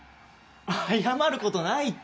謝ることないって。